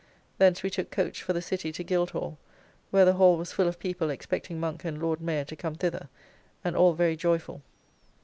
Thence we took coach for the City to Guildhall, where the Hall was full of people expecting Monk and Lord Mayor to come thither, and all very joyfull.